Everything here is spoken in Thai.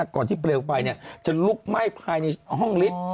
ก่อนที่เปลวไฟจะลุกไหม้ภายในห้องฤทธิ์